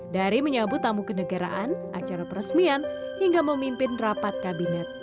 dari menyambut tamu kenegaraan acara peresmian hingga memimpin rapat kabinet